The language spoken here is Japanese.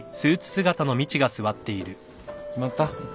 決まった？